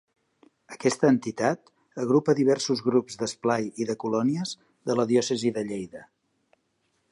Aquesta entitat agrupa diversos grups d'esplai i de colònies de la diòcesi de Lleida.